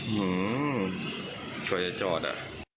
หอยจะจอดอ่ะ